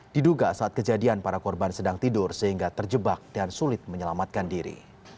diduga saat kejadian para korban sedang tidur sehingga terjebak dan sulit menyelamatkan diri